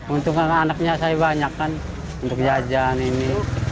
untuk anak anaknya saya banyak kan untuk jajan ini